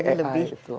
iya kita pakai ai gitu